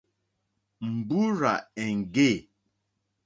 Mbúrzà èŋɡê.